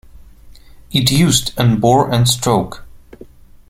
It used an bore and stroke.